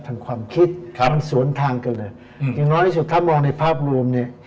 ทางความคิดครับมันสวนทางกันเลยอืมอย่างน้อยที่สุดถ้ามองในภาพรวมเนี่ย